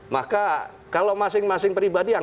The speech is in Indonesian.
maka kalau masing masing pribadi yang